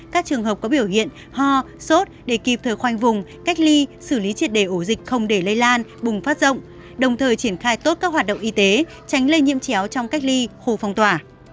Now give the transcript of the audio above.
các trường hợp có biểu hiện ho sốt để kịp thời khoanh vùng cách ly xử lý triệt đề ổ dịch không để lây lan bùng phát rộng đồng thời triển khai tốt các hoạt động y tế tránh lây nhiễm chéo trong cách ly khu phong tỏa